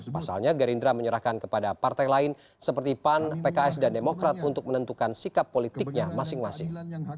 pasalnya gerindra menyerahkan kepada partai lain seperti pan pks dan demokrat untuk menentukan sikap politiknya masing masing